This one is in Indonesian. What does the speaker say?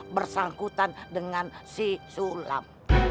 bersangkutan dengan si sulam